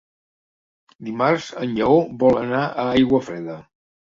Dimarts en Lleó vol anar a Aiguafreda.